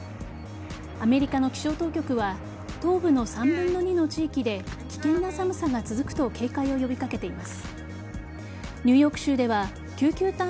アメリカの気象当局は東部の３分の２の地域で危険な寒さが続くと警戒を呼び掛けています。